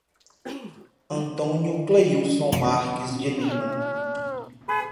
Antônio Cleilson Marques de Lima